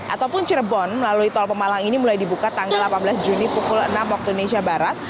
ataupun cirebon melalui tol pemalang ini mulai dibuka tanggal delapan belas juni pukul enam waktu indonesia barat